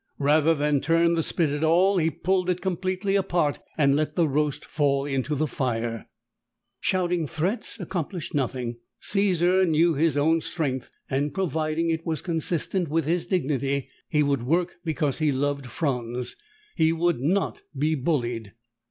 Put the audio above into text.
Rather than turn the spit at all, he pulled it completely apart and let the roast fall into the fire. Shouting threats accomplished nothing. Caesar knew his own strength and, providing it was consistent with his dignity, he would work because he loved Franz. He would not be bullied.